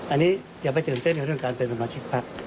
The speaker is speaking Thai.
อันนี้อย่าไปตื่นเต้นในเรื่องการเป็นสมาชิกพัก